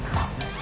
あ。